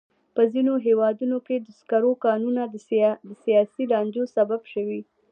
په ځینو هېوادونو کې د سکرو کانونه د سیاسي لانجو سبب شوي.